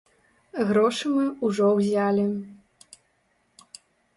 Грошы мы ўжо ўзялі.